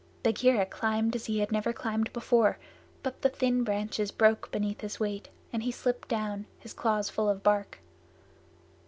Bagheera climbed as he had never climbed before, but the thin branches broke beneath his weight, and he slipped down, his claws full of bark.